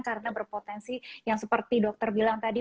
karena berpotensi yang seperti dokter bilang tadi